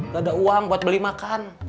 gak ada uang buat beli makan